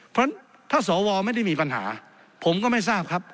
เพราะฉะนั้นถ้าสวไม่ได้มีปัญหาผมก็ไม่ทราบครับ